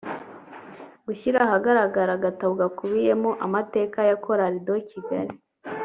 gushyira ahagaragara agatabo gakubiyemo amateka ya Chorale de Kigali